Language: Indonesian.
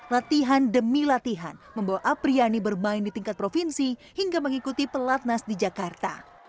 latihan demi latihan membawa apriyani bermain di tingkat provinsi hingga mengikuti pelatnas di jakarta